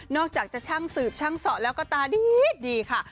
อกจากจะช่างสืบช่างสอแล้วก็ตาดีค่ะ